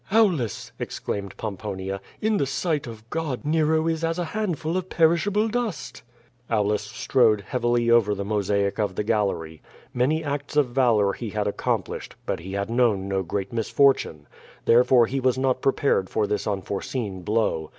"Aulus!" exclaimed Pomponia. "In the sight of God, Nero is as a handful of perishable dust." Aulus strode heavily over the mosaic of the gallery. Many acts of valor he had accomplished, but he had known no great misfortune. Therefore he was not prepared for this unforeseen blow.